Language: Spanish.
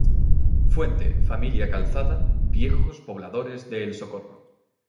Fuente: Familia Calzada, viejos pobladores de El Socorro.